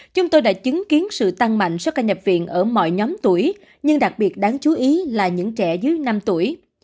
chúng tôi đã chứng kiến sự tăng mạnh số ca nhập viện ở mọi nhóm tuổi nhưng đặc biệt đáng chú ý là những trẻ dưới năm tuổi